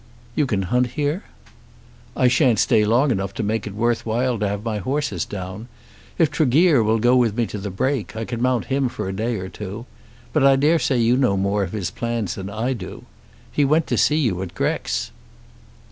"You can hunt here?" "I shan't stay long enough to make it worth while to have my horses down. If Tregear will go with me to the Brake, I can mount him for a day or two. But I dare say you know more of his plans than I do. He went to see you at Grex."